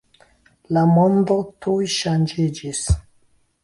La mondo tuj ŝanĝiĝis.